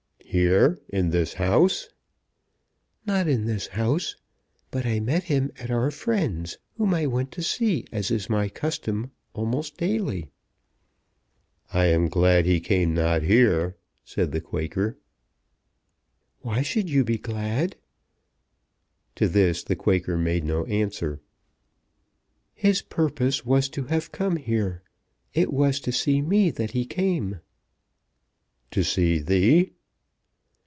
"Here, in this house?" "Not in this house. But I met him at our friend's, whom I went to see, as is my custom almost daily." "I am glad he came not here," said the Quaker. "Why should you be glad?" To this the Quaker made no answer. "His purpose was to have come here. It was to see me that he came." "To see thee?"